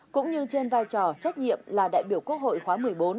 cũng như trên vai trò trách nhiệm là đại biểu quốc hội khóa một mươi bốn